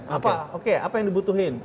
apa oke apa yang dibutuhin